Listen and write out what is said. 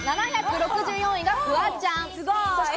７６４位がフワちゃん。